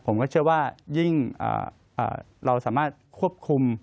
ผมก็เชื่อว่ายิ่งเราสามารถควบคุม